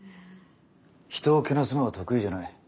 人をけなすのは得意じゃない。